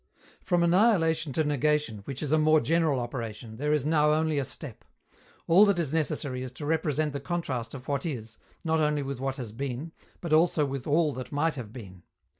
From annihilation to negation, which is a more general operation, there is now only a step. All that is necessary is to represent the contrast of what is, not only with what has been, but also with all that might have been.